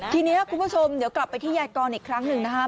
ทีนี้คุณผู้ชมเดี๋ยวกลับไปที่ยายกรอีกครั้งหนึ่งนะครับ